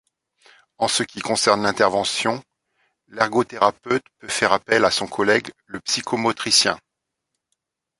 En ce qui concerne l’intervention, l'ergothérapeute peut faire appel à son collègue le psychomotricien.